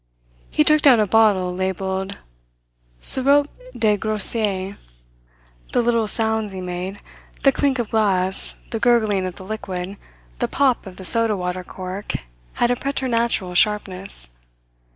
He took down a bottle, labelled "Sirop de Groseille." The little sounds he made, the clink of glass, the gurgling of the liquid, the pop of the soda water cork had a preternatural sharpness.